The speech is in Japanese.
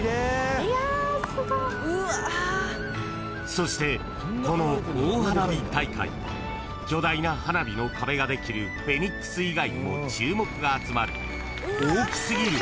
［そしてこの大花火大会巨大な花火の壁ができるフェニックス以外にも注目が集まる］